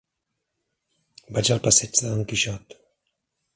Vaig al passeig de Don Quixot.